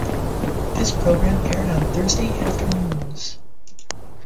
This program aired on Thursday afternoons.